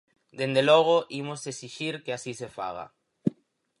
Dende logo, imos exixir que así se faga.